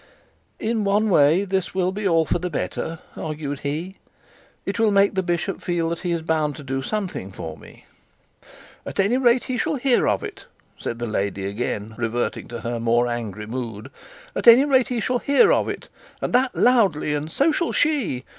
'In one way this will be for the better,' argued he. 'It will make the bishop feel that he is bound to do something for me.' 'At any rate, he shall hear of it,' said the lady, again reverting to her more angry mood. 'At any rate he shall hear of it, and that loudly; and so shall she.